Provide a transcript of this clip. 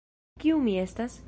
Kiu mi estas?